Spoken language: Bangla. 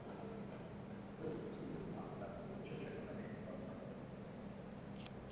গুরুতর আহত রাজীবকে বরিশাল শেরেবাংলা মেডিকেল কলেজ হাসপাতালে ভর্তি করা হয়েছে।